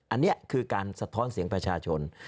อันนี้คือการสะท้อนเสียงประชาชน